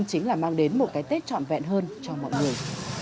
chính là mang đến một cái tết trọn vẹn hơn cho mọi người